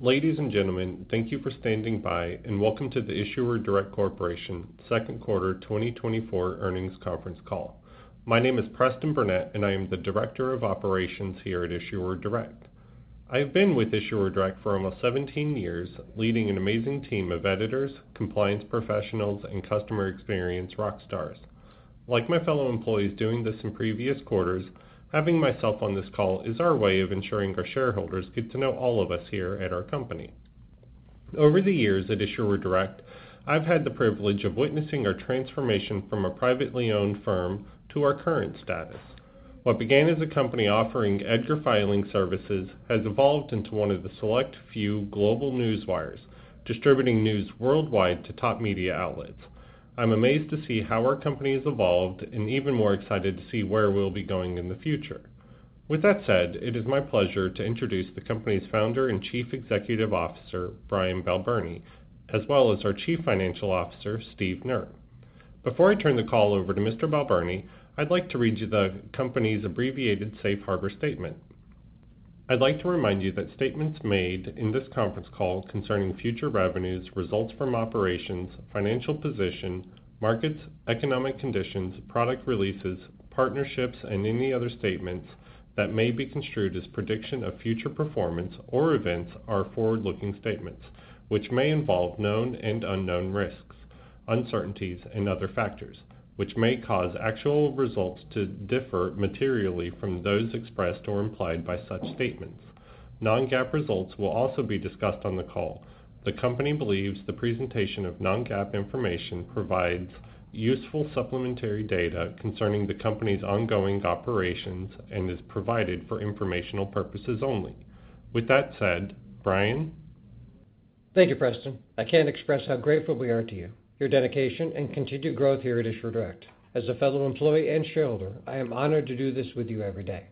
Ladies and gentlemen, thank you for standing by, and welcome to the Issuer Direct Corporation second quarter 2024 earnings conference call. My name is Preston Burnett, and I am the Director of Operations here at Issuer Direct. I have been with Issuer Direct for almost 17 years, leading an amazing team of editors, compliance professionals, and customer experience rock stars. Like my fellow employees doing this in previous quarters, having myself on this call is our way of ensuring our shareholders get to know all of us here at our company. Over the years at Issuer Direct, I've had the privilege of witnessing our transformation from a privately owned firm to our current status. What began as a company offering EDGAR filing services has evolved into one of the select few global newswires, distributing news worldwide to top media outlets. I'm amazed to see how our company has evolved, and even more excited to see where we'll be going in the future. With that said, it is my pleasure to introduce the company's founder and Chief Executive Officer, Brian Balbirnie, as well as our Chief Financial Officer, Steve Knerr. Before I turn the call over to Mr. Balbirnie, I'd like to read you the company's abbreviated Safe Harbor Statement. I'd like to remind you that statements made in this conference call concerning future revenues, results from operations, financial position, markets, economic conditions, product releases, partnerships, and any other statements that may be construed as prediction of future performance or events, are forward-looking statements, which may involve known and unknown risks, uncertainties, and other factors, which may cause actual results to differ materially from those expressed or implied by such statements. Non-GAAP results will also be discussed on the call. The company believes the presentation of Non-GAAP information provides useful supplementary data concerning the company's ongoing operations and is provided for informational purposes only. With that said, Brian? Thank you, Preston. I can't express how grateful we are to you, your dedication, and continued growth here at Issuer Direct. As a fellow employee and shareholder, I am honored to do this with you every day.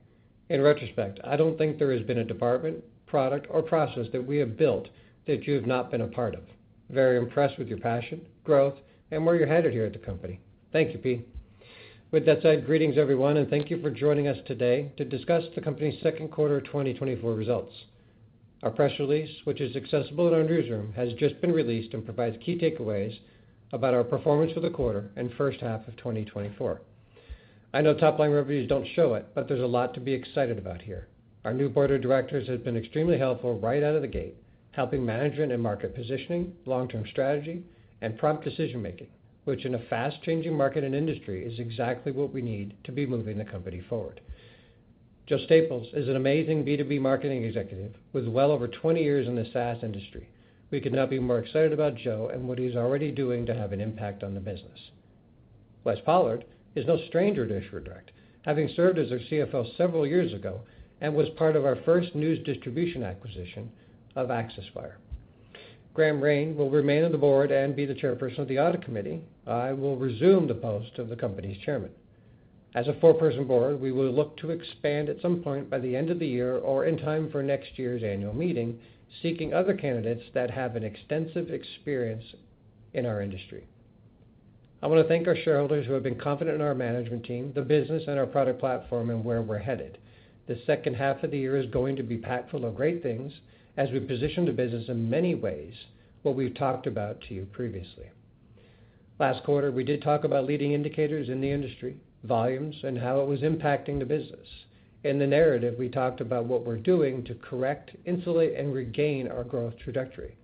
In retrospect, I don't think there has been a department, product, or process that we have built that you have not been a part of. Very impressed with your passion, growth, and where you're headed here at the company. Thank you, P. With that said, greetings, everyone, and thank you for joining us today to discuss the company's second quarter of 2024 results. Our press release, which is accessible in our newsroom, has just been released and provides key takeaways about our performance for the quarter and first half of 2024. I know top-line revenues don't show it, but there's a lot to be excited about here. Our new board of directors has been extremely helpful right out of the gate, helping management and market positioning, long-term strategy, and prompt decision-making, which in a fast-changing market and industry, is exactly what we need to be moving the company forward. Joe Staples is an amazing B2B marketing executive with well over 20 years in the SaaS industry. We could not be more excited about Joe and what he's already doing to have an impact on the business. Wes Pollard is no stranger to Issuer Direct, having served as our CFO several years ago and was part of our first news distribution acquisition of ACCESSWIRE. Graeme Raine will remain on the board and be the chairperson of the audit committee. I will resume the post of the company's chairman. As a four-person board, we will look to expand at some point by the end of the year or in time for next year's annual meeting, seeking other candidates that have an extensive experience in our industry. I want to thank our shareholders who have been confident in our management team, the business and our product platform, and where we're headed. The second half of the year is going to be packed full of great things as we position the business in many ways, what we've talked about to you previously. Last quarter, we did talk about leading indicators in the industry, volumes, and how it was impacting the business. In the narrative, we talked about what we're doing to correct, insulate, and regain our growth trajectory.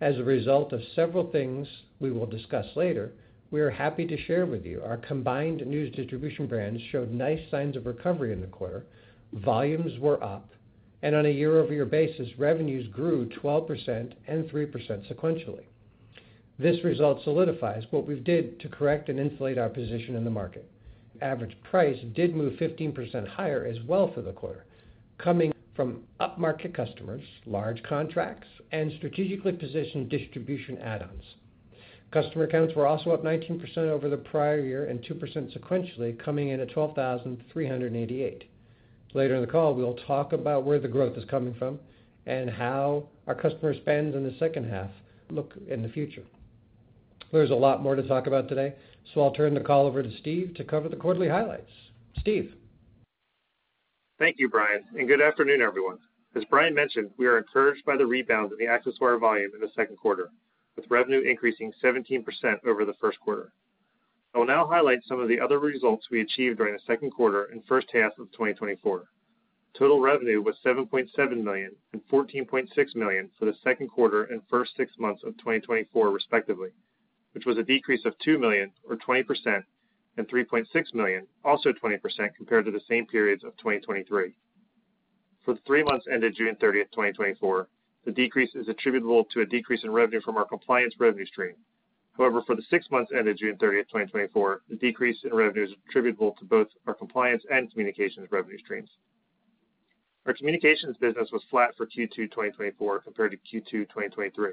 As a result of several things we will discuss later, we are happy to share with you our combined news distribution brands showed nice signs of recovery in the quarter. Volumes were up, and on a year-over-year basis, revenues grew 12% and 3% sequentially. This result solidifies what we've did to correct and insulate our position in the market. Average price did move 15% higher as well for the quarter, coming from upmarket customers, large contracts, and strategically positioned distribution add-ons. Customer accounts were also up 19% over the prior year and 2% sequentially, coming in at 12,388. Later in the call, we'll talk about where the growth is coming from and how our customer spends in the second half look in the future. There's a lot more to talk about today, so I'll turn the call over to Steve to cover the quarterly highlights. Steve? Thank you, Brian, and good afternoon, everyone. As Brian mentioned, we are encouraged by the rebound in the ACCESSWIRE volume in the second quarter, with revenue increasing 17% over the first quarter. I will now highlight some of the other results we achieved during the second quarter and first half of 2024. Total revenue was $7.7 million and $14.6 million for the second quarter and first six months of 2024, respectively, which was a decrease of $2 million or 20% and $3.6 million, also 20%, compared to the same periods of 2023. For the three months ended June 30, 2024, the decrease is attributable to a decrease in revenue from our compliance revenue stream. However, for the six months ended June 30, 2024, the decrease in revenue is attributable to both our compliance and communications revenue streams. Our communications business was flat for Q2 2024, compared to Q2 2023.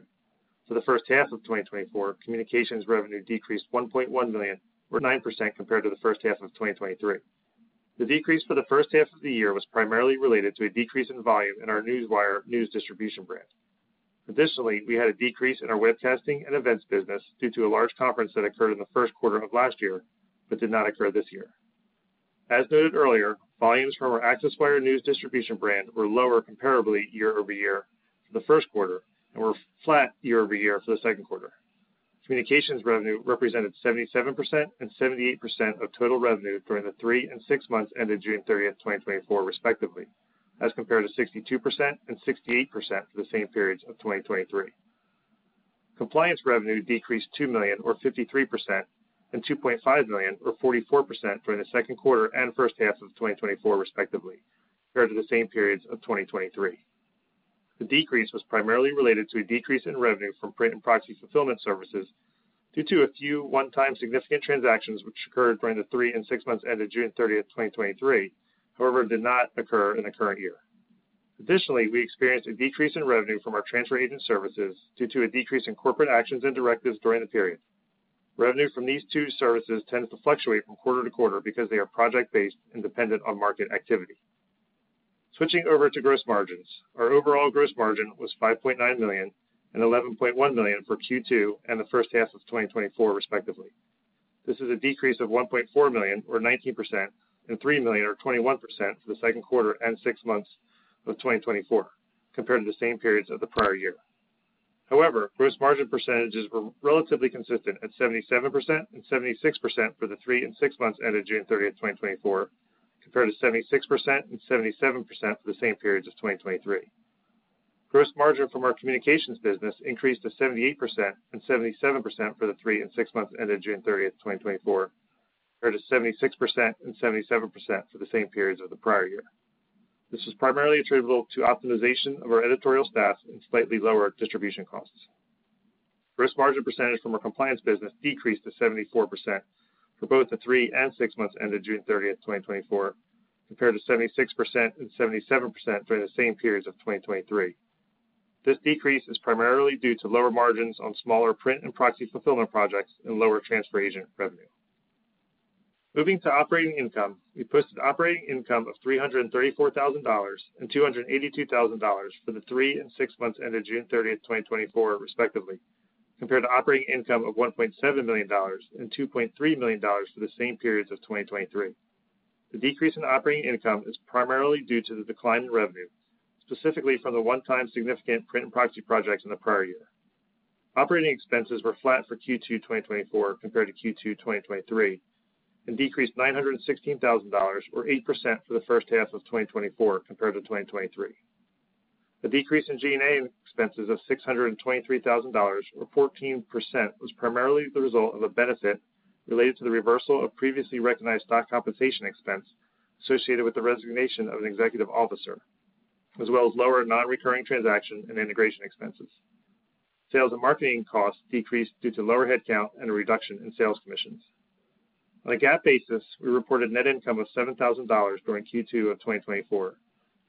For the first half of 2024, communications revenue decreased $1.1 million or 9% compared to the first half of 2023. The decrease for the first half of the year was primarily related to a decrease in volume in our ACCESSWIRE news distribution brand. Additionally, we had a decrease in our web testing and events business due to a large conference that occurred in the first quarter of last year, but did not occur this year. ...As noted earlier, volumes from our ACCESSWIRE news distribution brand were lower comparably year-over-year for the first quarter and were flat year-over-year for the second quarter. Communications revenue represented 77% and 78% of total revenue during the three and six months ended June 30, 2024, respectively, as compared to 62% and 68% for the same periods of 2023. Compliance revenue decreased $2 million or 53%, and $2.5 million or 44% during the second quarter and first half of 2024, respectively, compared to the same periods of 2023. The decrease was primarily related to a decrease in revenue from print and proxy fulfillment services, due to a few one-time significant transactions, which occurred during the three and six months ended June 30, 2023. However, did not occur in the current year. Additionally, we experienced a decrease in revenue from our transfer agent services due to a decrease in corporate actions and directives during the period. Revenue from these two services tends to fluctuate from quarter to quarter because they are project-based and dependent on market activity. Switching over to gross margins. Our overall gross margin was $5.9 million and $11.1 million for Q2 and the first half of 2024, respectively. This is a decrease of $1.4 million, or 19%, and $3 million, or 21%, for the second quarter and 6 months of 2024, compared to the same periods of the prior year. However, gross margin percentages were relatively consistent at 77% and 76% for the 3 and 6 months ended June 30, 2024, compared to 76% and 77% for the same periods of 2023. Gross margin from our communications business increased to 78% and 77% for the 3 and 6 months ended June 30, 2024, compared to 76% and 77% for the same periods of the prior year. This is primarily attributable to optimization of our editorial staff and slightly lower distribution costs. Gross margin percentage from our compliance business decreased to 74% for both the 3 and 6 months ended June 30, 2024, compared to 76% and 77% during the same periods of 2023. This decrease is primarily due to lower margins on smaller print and proxy fulfillment projects and lower transfer agent revenue. Moving to operating income. We posted operating income of $334,000 and $282,000 for the three and six months ended June 30, 2024, respectively, compared to operating income of $1.7 million and $2.3 million for the same periods of 2023. The decrease in operating income is primarily due to the decline in revenue, specifically from the one-time significant print and proxy projects in the prior year. Operating expenses were flat for Q2 2024 compared to Q2 2023, and decreased $916,000, or 8%, for the first half of 2024 compared to 2023. The decrease in G&A expenses of $623,000, or 14%, was primarily the result of a benefit related to the reversal of previously recognized stock compensation expense associated with the resignation of an executive officer, as well as lower non-recurring transaction and integration expenses. Sales and marketing costs decreased due to lower headcount and a reduction in sales commissions. On a GAAP basis, we reported net income of $7,000 during Q2 of 2024,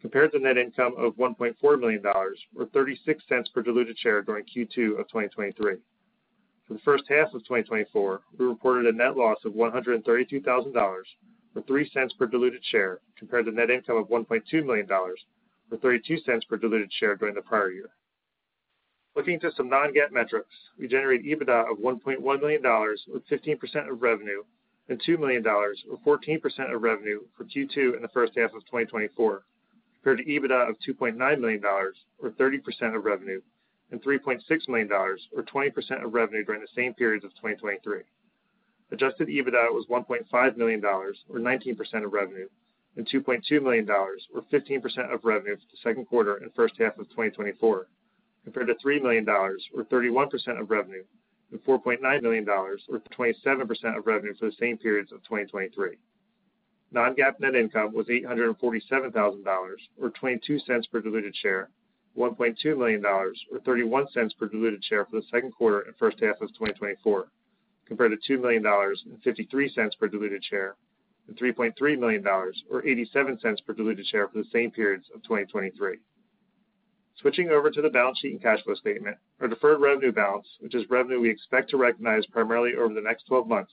compared to net income of $1.4 million, or $0.36 per diluted share during Q2 of 2023. For the first half of 2024, we reported a net loss of $132,000, or $0.03 per diluted share, compared to net income of $1.2 million, or $0.32 per diluted share during the prior year. Looking to some non-GAAP metrics, we generated EBITDA of $1.1 million, with 15% of revenue, and $2 million, or 14% of revenue, for Q2 in the first half of 2024, compared to EBITDA of $2.9 million, or 30% of revenue, and $3.6 million, or 20% of revenue, during the same periods of 2023. Adjusted EBITDA was $1.5 million, or 19% of revenue, and $2.2 million, or 15% of revenue, for the second quarter and first half of 2024, compared to $3 million, or 31% of revenue, and $4.9 million, or 27% of revenue, for the same periods of 2023. Non-GAAP net income was $847,000, or $0.22 per diluted share, $1.2 million, or $0.31 per diluted share for the second quarter and first half of 2024, compared to $2 million and $0.53 per diluted share, and $3.3 million, or $0.87 per diluted share for the same periods of 2023. Switching over to the balance sheet and cash flow statement. Our deferred revenue balance, which is revenue we expect to recognize primarily over the next twelve months,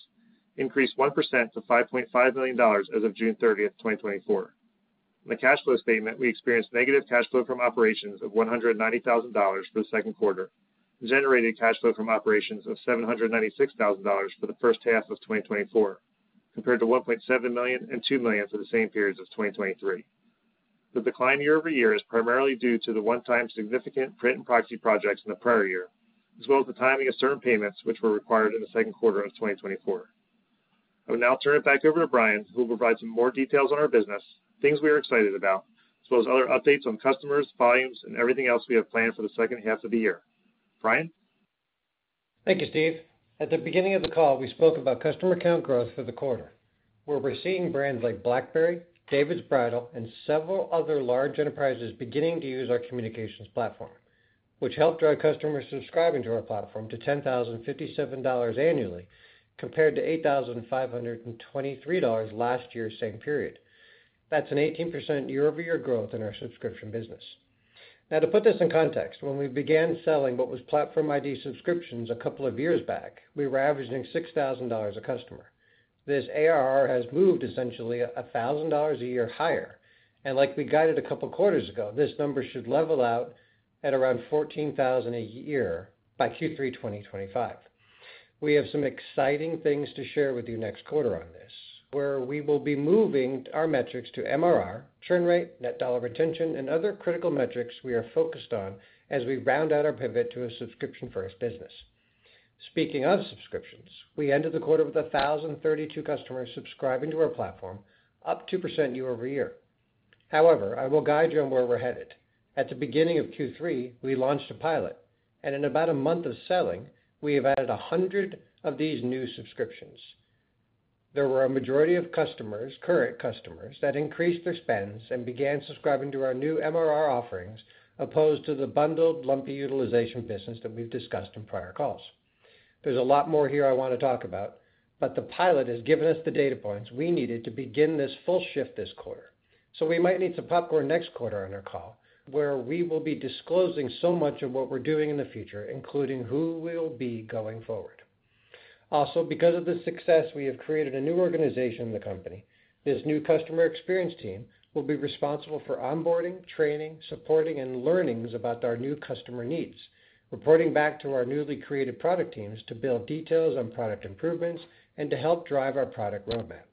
increased 1% to $5.5 million as of June 30, 2024. In the cash flow statement, we experienced negative cash flow from operations of $190,000 for the second quarter, and generated cash flow from operations of $796,000 for the first half of 2024, compared to $1.7 million and $2 million for the same periods of 2023. The decline year-over-year is primarily due to the one-time significant print and proxy projects in the prior year, as well as the timing of certain payments, which were required in the second quarter of 2024. I will now turn it back over to Brian, who will provide some more details on our business, things we are excited about, as well as other updates on customers, volumes, and everything else we have planned for the second half of the year. Brian? Thank you, Steve. At the beginning of the call, we spoke about customer count growth for the quarter. We're seeing brands like BlackBerry, David's Bridal, and several other large enterprises beginning to use our communications platform, which helped drive customers subscribing to our platform to $10,057 annually, compared to $8,523 last year, same period. That's an 18% year-over-year growth in our subscription business. Now, to put this in context, when we began selling what was Platform ID subscriptions a couple of years back, we were averaging $6,000 a customer. This ARR has moved essentially $1,000 a year higher, and like we guided a couple of quarters ago, this number should level out at around $14,000 a year by Q3 2025. We have some exciting things to share with you next quarter on this, where we will be moving our metrics to MRR, churn rate, net dollar retention, and other critical metrics we are focused on as we round out our pivot to a subscription-first business. Speaking of subscriptions, we ended the quarter with 1,032 customers subscribing to our platform, up 2% year-over-year. However, I will guide you on where we're headed. At the beginning of Q3, we launched a pilot, and in about a month of selling, we have added 100 of these new subscriptions. There were a majority of customers, current customers, that increased their spends and began subscribing to our new MRR offerings, opposed to the bundled, lumpy utilization business that we've discussed in prior calls. There's a lot more here I want to talk about, but the pilot has given us the data points we needed to begin this full shift this quarter. So we might need some popcorn next quarter on our call, where we will be disclosing so much of what we're doing in the future, including who will be going forward. Also, because of this success, we have created a new organization in the company. This new customer experience team will be responsible for onboarding, training, supporting, and learnings about our new customer needs, reporting back to our newly created product teams to build details on product improvements and to help drive our product roadmap.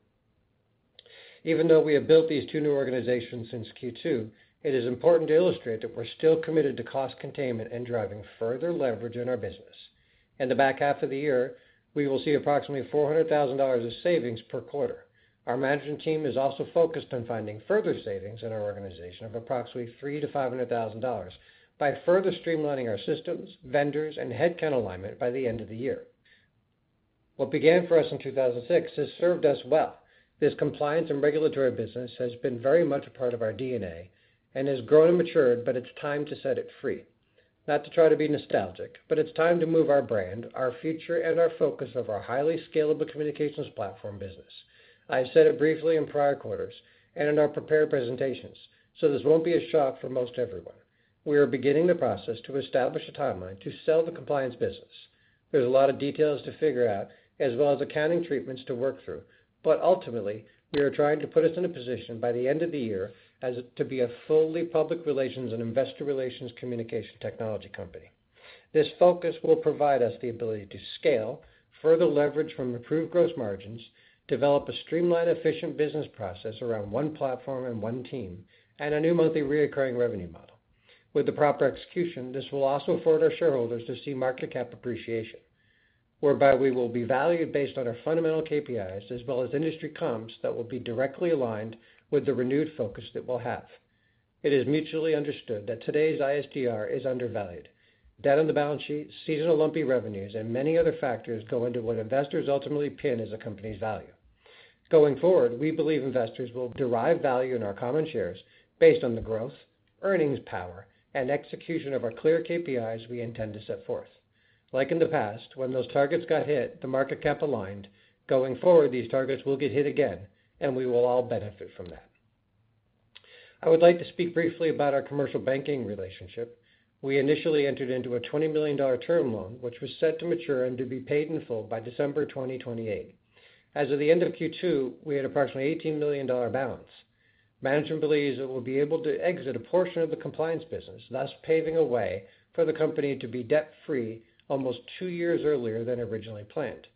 Even though we have built these two new organizations since Q2, it is important to illustrate that we're still committed to cost containment and driving further leverage in our business. In the back half of the year, we will see approximately $400,000 of savings per quarter. Our management team is also focused on finding further savings in our organization of approximately $300,000-$500,000 by further streamlining our systems, vendors, and headcount alignment by the end of the year. What began for us in 2006 has served us well. This compliance and regulatory business has been very much a part of our DNA and has grown and matured, but it's time to set it free. Not to try to be nostalgic, but it's time to move our brand, our future, and our focus of our highly scalable communications platform business. I've said it briefly in prior quarters and in our prepared presentations, so this won't be a shock for most everyone. We are beginning the process to establish a timeline to sell the compliance business. There's a lot of details to figure out, as well as accounting treatments to work through, but ultimately, we are trying to put us in a position by the end of the year as to be a fully public relations and investor relations communication technology company. This focus will provide us the ability to scale, further leverage from improved gross margins, develop a streamlined, efficient business process around one platform and one team, and a new monthly recurring revenue model. With the proper execution, this will also afford our shareholders to see market cap appreciation, whereby we will be valued based on our fundamental KPIs as well as industry comps that will be directly aligned with the renewed focus that we'll have. It is mutually understood that today's ISGR is undervalued. Debt on the balance sheet, seasonal lumpy revenues, and many other factors go into what investors ultimately pin as a company's value. Going forward, we believe investors will derive value in our common shares based on the growth, earnings, power, and execution of our clear KPIs we intend to set forth. Like in the past, when those targets got hit, the market cap aligned. Going forward, these targets will get hit again, and we will all benefit from that. I would like to speak briefly about our commercial banking relationship. We initially entered into a $20 million term loan, which was set to mature and to be paid in full by December 2028. As of the end of Q2, we had approximately $18 million balance. Management believes it will be able to exit a portion of the compliance business, thus paving a way for the company to be debt-free almost two years earlier than originally planned.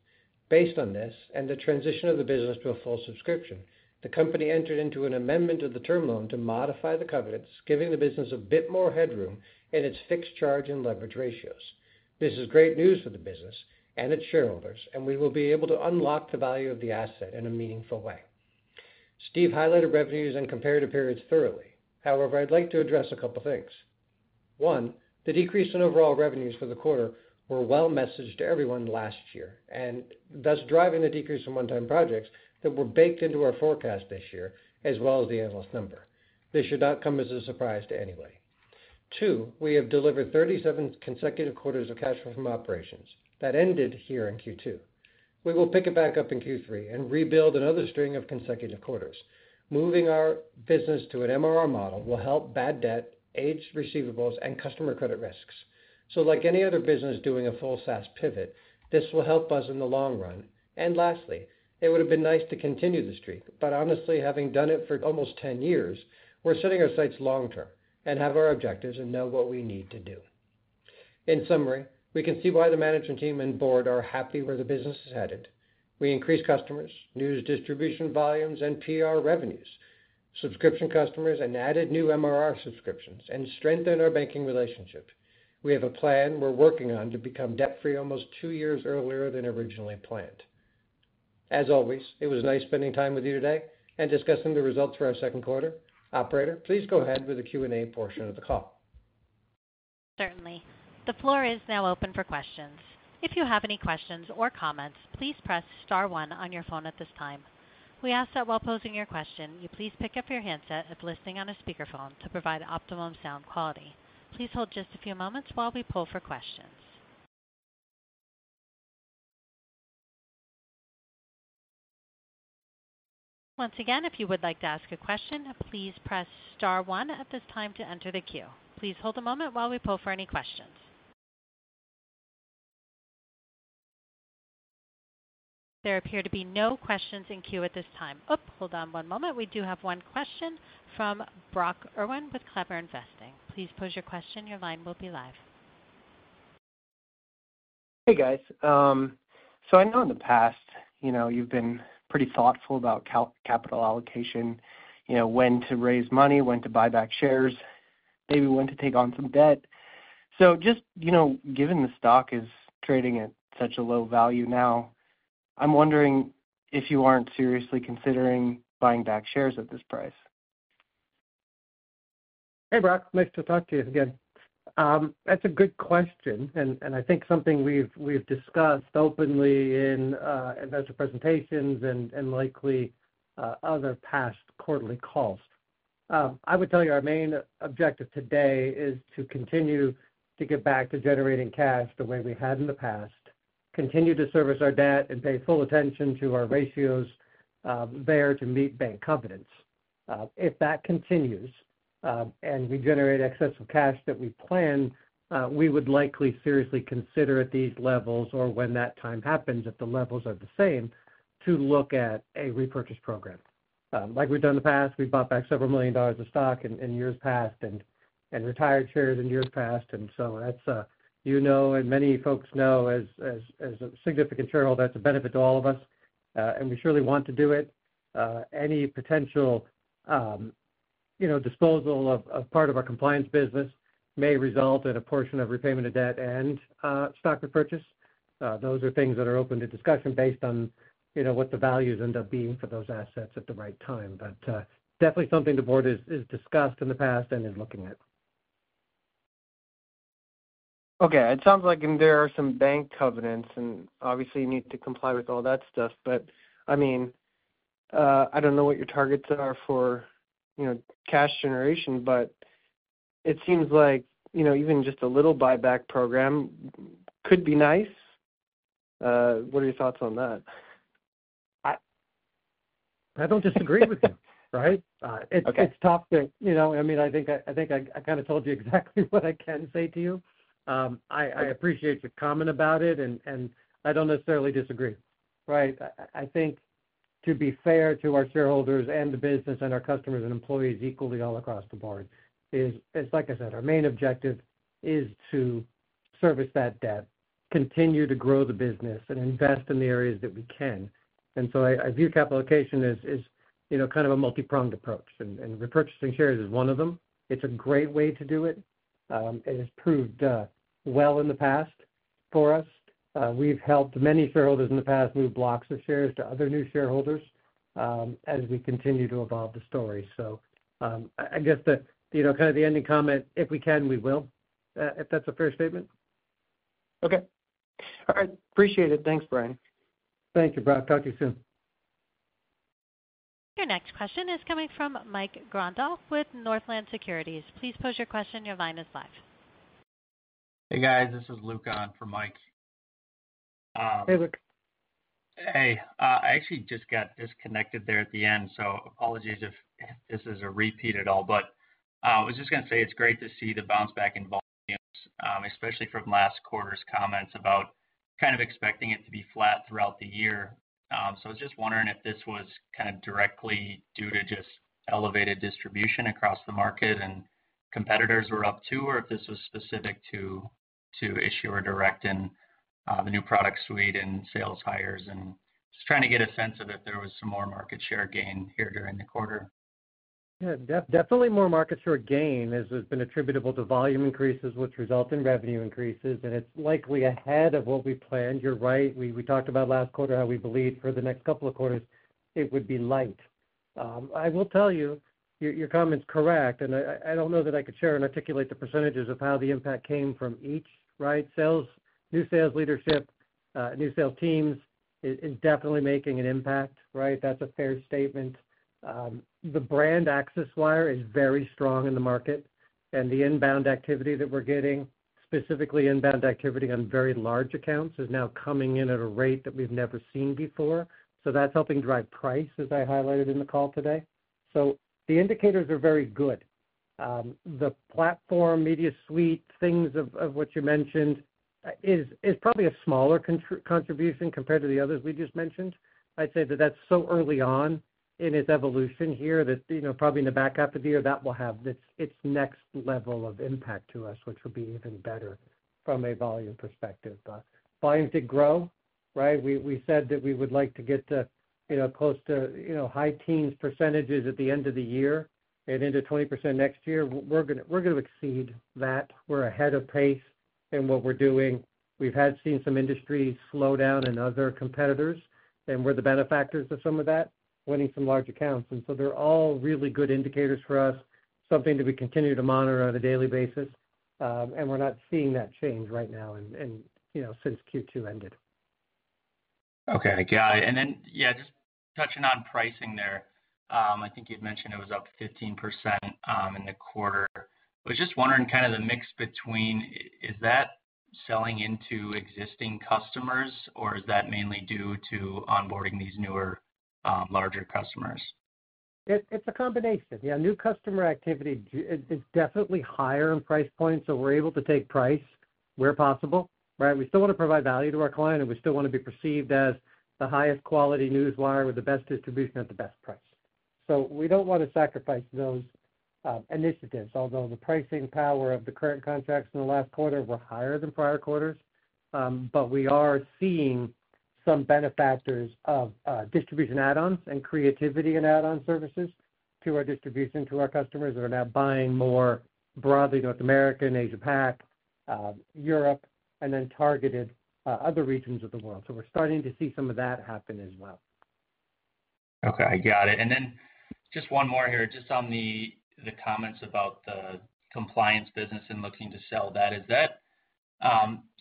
Based on this and the transition of the business to a full subscription, the company entered into an amendment of the term loan to modify the covenants, giving the business a bit more headroom in its fixed charge and leverage ratios. This is great news for the business and its shareholders, and we will be able to unlock the value of the asset in a meaningful way. Steve highlighted revenues and comparative periods thoroughly. However, I'd like to address a couple things. One, the decrease in overall revenues for the quarter were well messaged to everyone last year, and thus driving the decrease in one-time projects that were baked into our forecast this year, as well as the analyst number. This should not come as a surprise to anybody. Two, we have delivered 37 consecutive quarters of cash flow from operations. That ended here in Q2. We will pick it back up in Q3 and rebuild another string of consecutive quarters. Moving our business to an MRR model will help bad debt, age receivables, and customer credit risks. So like any other business doing a full SaaS pivot, this will help us in the long run. Lastly, it would have been nice to continue the streak, but honestly, having done it for almost 10 years, we're setting our sights long term and have our objectives and know what we need to do. In summary, we can see why the management team and board are happy where the business is headed. We increased customers, news distribution volumes fand PR revenues, subscription customers, and added new MRR subscriptions, and strengthened our banking relationship. We have a plan we're working on to become debt-free almost two years earlier than originally planned. As always, it was nice spending time with you today and discussing the results for our second quarter. Operator, please go ahead with the Q&A portion of the call. Certainly. The floor is now open for questions. If you have any questions or comments, please press star one on your phone at this time. We ask that while posing your question, you please pick up your handset if listening on a speakerphone to provide optimum sound quality. Please hold just a few moments while we pull for questions. Once again, if you would like to ask a question, please press star one at this time to enter the queue. Please hold a moment while we pull for any questions. There appear to be no questions in queue at this time. Oop, hold on one moment. We do have one question from Brock Erwin with CleverInvesting. Please pose your question. Your line will be live. Hey, guys. So I know in the past, you know, you've been pretty thoughtful about capital allocation, you know, when to raise money, when to buy back shares.... maybe when to take on some debt. So just, you know, given the stock is trading at such a low value now, I'm wondering if you aren't seriously considering buying back shares at this price? Hey, Brock, nice to talk to you again. That's a good question, and I think something we've discussed openly in investor presentations and likely other past quarterly calls. I would tell you our main objective today is to continue to get back to generating cash the way we had in the past, continue to service our debt, and pay full attention to our ratios there to meet bank covenants. If that continues, and we generate excess of cash that we plan, we would likely seriously consider at these levels or when that time happens, if the levels are the same, to look at a repurchase program. Like we've done in the past, we've bought back $several million of stock in years past and retired shares in years past. And so that's, you know, and many folks know as a significant shareholder, that's a benefit to all of us, and we surely want to do it. Any potential, you know, disposal of part of our compliance business may result in a portion of repayment of debt and stock repurchase. Those are things that are open to discussion based on, you know, what the values end up being for those assets at the right time. But definitely something the board has discussed in the past and is looking at. Okay. It sounds like there are some bank covenants, and obviously, you need to comply with all that stuff. But, I mean, I don't know what your targets are for, you know, cash generation, but it seems like, you know, even just a little buyback program could be nice. What are your thoughts on that? I don't disagree with you, right? Okay. It's tough to... You know, I mean, I think I kind of told you exactly what I can say to you. I appreciate the comment about it, and I don't necessarily disagree, right? I think to be fair to our shareholders and the business and our customers and employees equally all across the board, it's like I said, our main objective is to service that debt, continue to grow the business, and invest in the areas that we can. So I view capital allocation as you know, kind of a multipronged approach, and repurchasing shares is one of them. It's a great way to do it, and it's proved well in the past for us. We've helped many shareholders in the past move blocks of shares to other new shareholders, as we continue to evolve the story. So, I guess the, you know, kind of the ending comment, if we can, we will. If that's a fair statement? Okay. All right, appreciate it. Thanks, Brian. Thank you, Brock. Talk to you soon. Your next question is coming from Mike Grondahl with Northland Securities. Please pose your question. Your line is live. Hey, guys, this is Luke on for Mike. Hey, Luke. Hey, I actually just got disconnected there at the end, so apologies if this is a repeat at all. But, I was just gonna say it's great to see the bounce back in volumes, especially from last quarter's comments about kind of expecting it to be flat throughout the year. So I was just wondering if this was kind of directly due to just elevated distribution across the market and competitors were up, too, or if this was specific to, to Issuer Direct and, the new product suite and sales hires, and just trying to get a sense of if there was some more market share gain here during the quarter. Yeah, definitely more market share gain, as has been attributable to volume increases, which result in revenue increases, and it's likely ahead of what we planned. You're right. We talked about last quarter how we believed for the next couple of quarters it would be light. I will tell you, your comment's correct, and I don't know that I could share and articulate the percentages of how the impact came from each, right? Sales, new sales leadership, new sales teams is definitely making an impact, right? That's a fair statement. The brand ACCESSWIRE is very strong in the market, and the inbound activity that we're getting, specifically inbound activity on very large accounts, is now coming in at a rate that we've never seen before. So that's helping drive price, as I highlighted in the call today. So the indicators are very good. The platform, Media Suite, things of what you mentioned, is probably a smaller contribution compared to the others we just mentioned. I'd say that's so early on in its evolution here that, you know, probably in the back half of the year, that will have its next level of impact to us, which will be even better from a volume perspective. But volumes did grow, right? We said that we would like to get to, you know, close to, you know, high teens % at the end of the year and into 20% next year. We're gonna exceed that. We're ahead of pace in what we're doing. We've had seen some industries slow down and other competitors, and we're the benefactors of some of that, winning some large accounts. And so they're all really good indicators for us, something that we continue to monitor on a daily basis, and we're not seeing that change right now, you know, since Q2 ended. Okay, got it. And then, yeah, just touching on pricing there, I think you'd mentioned it was up 15%, in the quarter. I was just wondering kind of the mix between, is that selling into existing customers, or is that mainly due to onboarding these newer, larger customers? It's a combination. Yeah, new customer activity, it's definitely higher in price point, so we're able to take price where possible, right? We still want to provide value to our client, and we still want to be perceived as the highest quality newswire with the best distribution at the best price. So we don't want to sacrifice those initiatives, although the pricing power of the current contracts in the last quarter were higher than prior quarters. But we are seeing some benefits of distribution add-ons and creativity in add-on services to our distribution, to our customers that are now buying more broadly, North America and Asia-Pac, Europe, and then targeted other regions of the world. So we're starting to see some of that happen as well. Okay, got it. And then just one more here. Just on the comments about the compliance business and looking to sell that, is that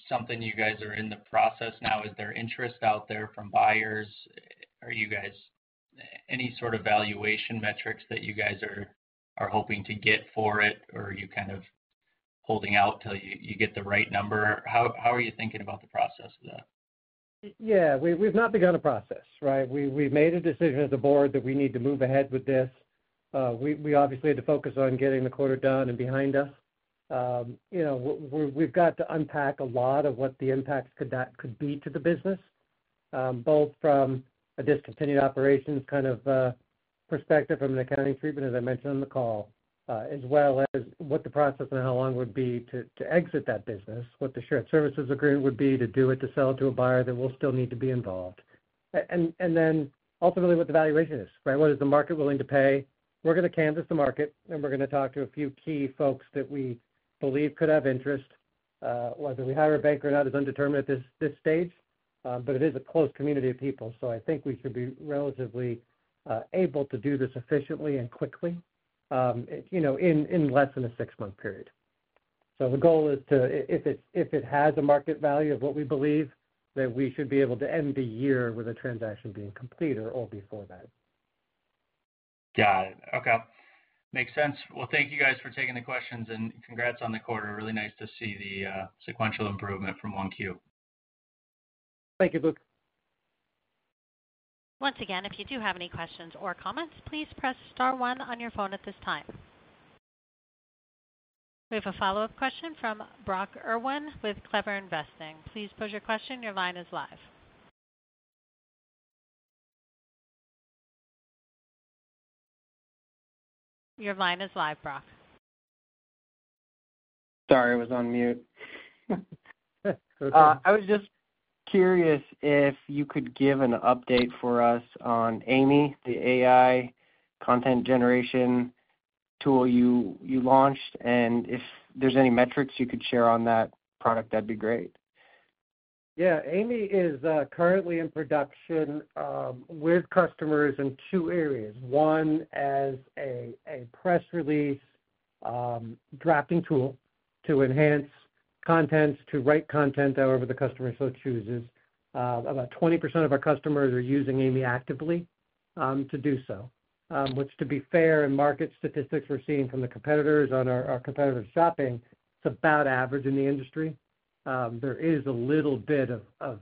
something you guys are in the process now? Is there interest out there from buyers? Are you guys any sort of valuation metrics that you guys are hoping to get for it, or are you kind of holding out till you get the right number? How are you thinking about the process of that? Yeah, we've not begun a process, right? We made a decision as a board that we need to move ahead with this. We obviously had to focus on getting the quarter done and behind us. You know, we've got to unpack a lot of what the impacts could be to the business, both from a discontinued operations kind of perspective from an accounting treatment, as I mentioned on the call, as well as what the process and how long it would be to exit that business, what the shared services agreement would be to do it, to sell it to a buyer that will still need to be involved. And then ultimately, what the valuation is, right? What is the market willing to pay? We're gonna canvass the market, and we're gonna talk to a few key folks that we believe could have interest. Whether we hire a banker or not is undetermined at this stage, but it is a close community of people, so I think we should be relatively able to do this efficiently and quickly, you know, in less than a six-month period. So the goal is to. If it has a market value of what we believe, that we should be able to end the year with a transaction being complete or before that. Got it. Okay. Makes sense. Well, thank you guys for taking the questions, and congrats on the quarter. Really nice to see the sequential improvement from 1Q. Thank you, Luke. Once again, if you do have any questions or comments, please press star one on your phone at this time. We have a follow-up question from Brock Erwin with CleverInvesting. Please pose your question. Your line is live. Your line is live, Brock. Sorry, I was on mute. Okay. I was just curious if you could give an update for us on AIMEE, the AI content generation tool you launched, and if there's any metrics you could share on that product, that'd be great. Yeah. AIMEE is currently in production with customers in two areas, one, as a press release drafting tool to enhance content, to write content, however the customer so chooses. About 20% of our customers are using AIMEE actively to do so. Which, to be fair, in market statistics we're seeing from the competitors on our competitive shopping, it's about average in the industry. There is a little bit of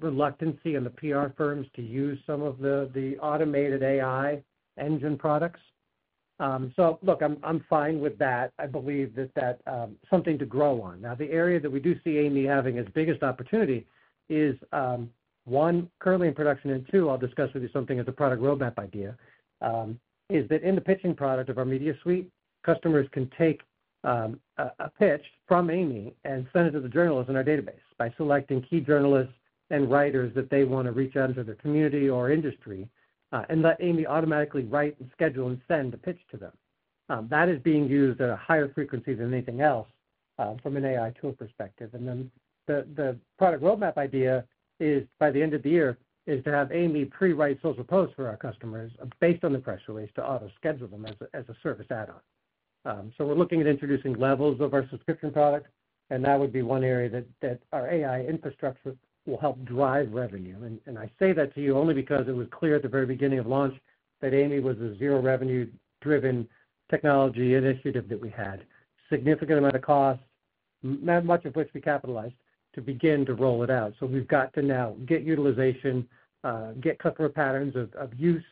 reluctance in the PR firms to use some of the automated AI engine products. So look, I'm fine with that. I believe that something to grow on. Now, the area that we do see AIMEE having its biggest opportunity is, one, currently in production, and two, I'll discuss with you something as a product roadmap idea, is that in the pitching product of our Media Suite, customers can take, a, a pitch from AIMEE and send it to the journalists in our database by selecting key journalists and writers that they wanna reach out to their community or industry, and let AIMEE automatically write and schedule and send a pitch to them. That is being used at a higher frequency than anything else, from an AI tool perspective. And then the product roadmap idea is, by the end of the year, is to have AIMEE prewrite social posts for our customers based on the press release, to auto-schedule them as a, as a service add-on. So we're looking at introducing levels of our subscription product, and that would be one area that our AI infrastructure will help drive revenue. And I say that to you only because it was clear at the very beginning of launch that Amy was a zero revenue-driven technology initiative that we had. Significant amount of costs, much of which we capitalized, to begin to roll it out. So we've got to now get utilization, get customer patterns of use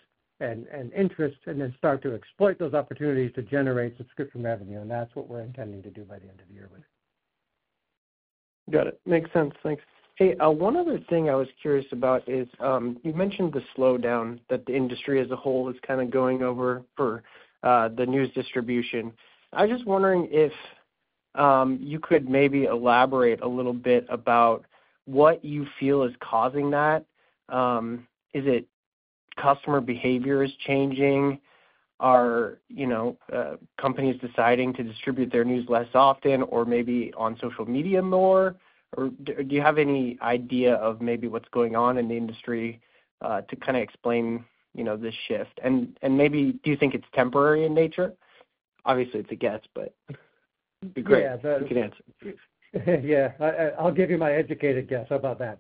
and interest, and then start to exploit those opportunities to generate subscription revenue, and that's what we're intending to do by the end of the year with it. Got it. Makes sense. Thanks. Hey, one other thing I was curious about is, you mentioned the slowdown that the industry as a whole is kind of going over for, the news distribution. I was just wondering if, you could maybe elaborate a little bit about what you feel is causing that. Is it customer behavior is changing? Are, you know, companies deciding to distribute their news less often or maybe on social media more? Or do you have any idea of maybe what's going on in the industry, to kinda explain, you know, this shift? And, and maybe, do you think it's temporary in nature? Obviously, it's a guess, but- Yeah, the-... it'd be great if you could answer. Yeah. I, I'll give you my educated guess about that.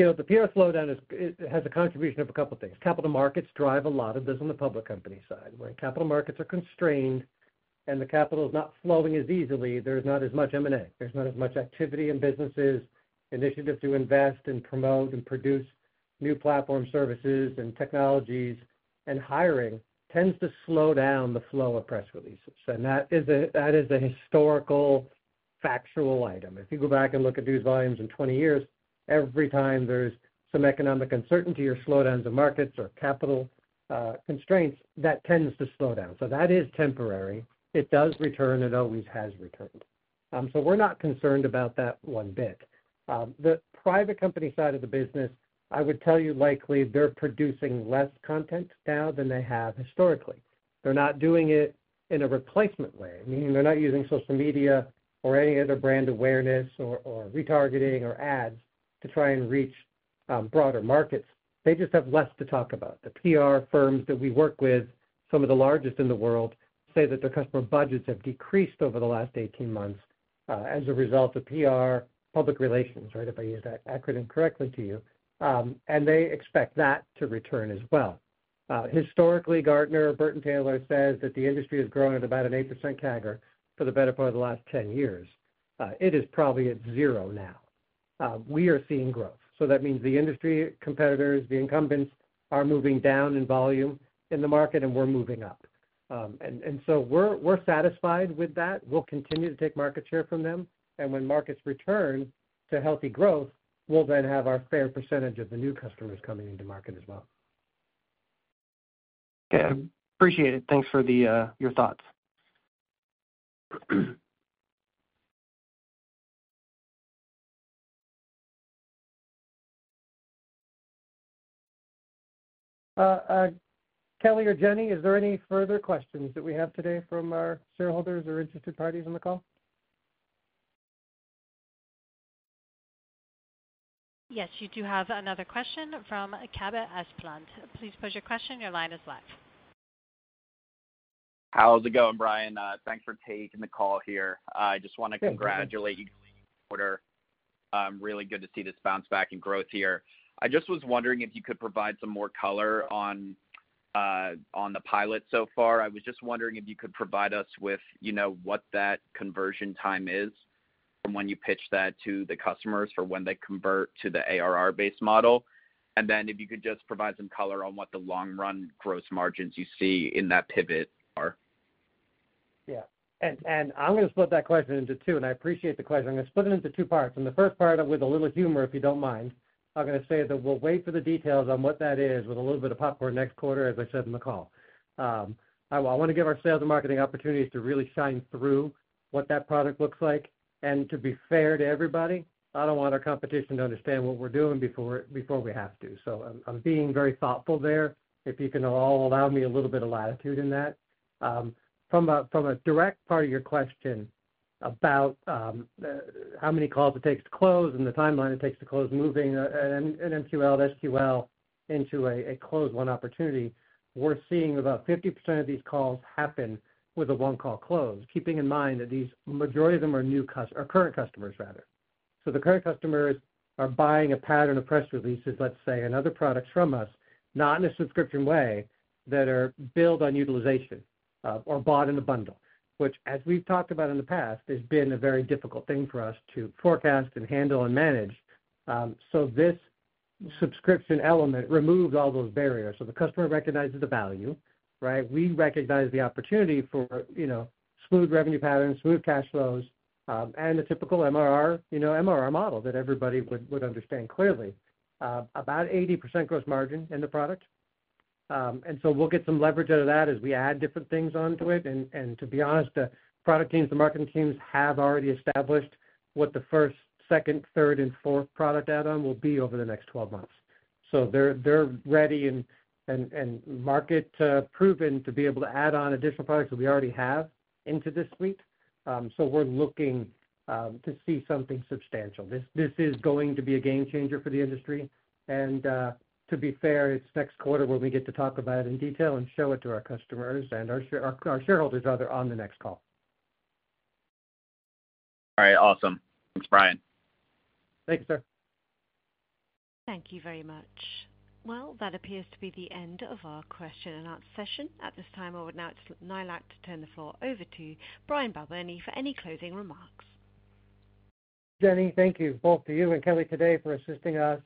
You know, the PR slowdown is, it has a contribution of a couple things. Capital markets drive a lot of this on the public company side, right? Capital markets are constrained, and the capital is not flowing as easily. There's not as much M&A. There's not as much activity in businesses. Initiatives to invest and promote and produce new platform services and technologies and hiring tends to slow down the flow of press releases, and that is a historical, factual item. If you go back and look at news volumes in 20 years, every time there's some economic uncertainty or slowdowns in markets or capital constraints, that tends to slow down. So that is temporary. It does return. It always has returned. So we're not concerned about that one bit. The private company side of the business, I would tell you likely they're producing less content now than they have historically. They're not doing it in a replacement way, meaning they're not using social media or any other brand awareness or retargeting or ads to try and reach broader markets. They just have less to talk about. The PR firms that we work with, some of the largest in the world, say that their customer budgets have decreased over the last 18 months as a result of PR, public relations, right? If I use that acronym correctly to you. And they expect that to return as well. Historically, Gartner, Burton Taylor says that the industry has grown at about an 8% CAGR for the better part of the last 10 years. It is probably at 0% now. We are seeing growth, so that means the industry competitors, the incumbents, are moving down in volume in the market, and we're moving up. So we're satisfied with that. We'll continue to take market share from them, and when markets return to healthy growth, we'll then have our fair percentage of the new customers coming into market as well. Okay, I appreciate it. Thanks for the, your thoughts. Kelly or Jenny, is there any further questions that we have today from our shareholders or interested parties on the call? Yes, you do have another question from Cabe Esplin. Please pose your question. Your line is live. How's it going, Brian? Thanks for taking the call here. Yeah. I just want to congratulate you on the quarter. Really good to see this bounce back in growth here. I just was wondering if you could provide some more color on the pilot so far. I was just wondering if you could provide us with, you know, what that conversion time is from when you pitch that to the customers for when they convert to the ARR-based model. And then if you could just provide some color on what the long-run gross margins you see in that pivot are. Yeah, and I'm gonna split that question into two, and I appreciate the question. I'm gonna split it into two parts. And the first part, with a little humor, if you don't mind, I'm gonna say that we'll wait for the details on what that is with a little bit of popcorn next quarter, as I said in the call. I want to give our sales and marketing opportunities to really shine through what that product looks like. And to be fair to everybody, I don't want our competition to understand what we're doing before we have to. So I'm being very thoughtful there. If you can all allow me a little bit of latitude in that. From a direct part of your question about how many calls it takes to close and the timeline it takes to close, moving an MQL, SQL into a closed-won opportunity, we're seeing about 50% of these calls happen with a one-call close. Keeping in mind that these majority of them are new or current customers rather. So the current customers are buying a pattern of press releases, let's say, and other products from us, not in a subscription way, that are built on utilization or bought in a bundle, which, as we've talked about in the past, has been a very difficult thing for us to forecast and handle and manage. So this subscription element removes all those barriers, so the customer recognizes the value, right? We recognize the opportunity for, you know, smooth revenue patterns, smooth cash flows, and the typical MRR, you know, MRR model that everybody would understand clearly. About 80% gross margin in the product. And so we'll get some leverage out of that as we add different things onto it. And to be honest, the product teams, the marketing teams, have already established what the first, second, third and fourth product add-on will be over the next 12 months. So they're ready and market proven to be able to add on additional products that we already have into this suite. So we're looking to see something substantial. This is going to be a game changer for the industry. To be fair, it's next quarter where we get to talk about it in detail and show it to our customers and our shareholders, rather, on the next call. All right. Awesome. Thanks, Brian. Thank you, sir. Thank you very much. Well, that appears to be the end of our question and answer session. At this time, I would now like to turn the floor over to Brian Balbirnie for any closing remarks. Jenny, thank you both to you and Kelly today for assisting us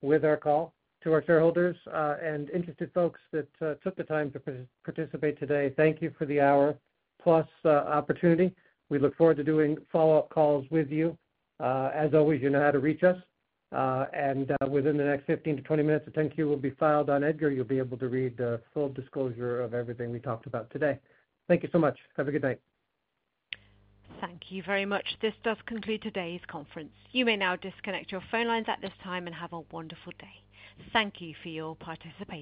with our call. To our shareholders and interested folks that took the time to participate today, thank you for the hour-plus opportunity. We look forward to doing follow-up calls with you. As always, you know how to reach us, and within the next 15-20 minutes, the 10-Q will be filed on EDGAR. You'll be able to read the full disclosure of everything we talked about today. Thank you so much. Have a good night. Thank you very much. This does conclude today's conference. You may now disconnect your phone lines at this time and have a wonderful day. Thank you for your participation.